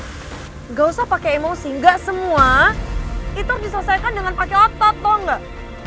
nggak usah pakai emosi nggak semua itu diselesaikan dengan pakai otot tau nggak